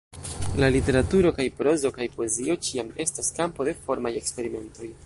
La literaturo – kaj prozo kaj poezio – ĉiam estas kampo de formaj eksperimentoj.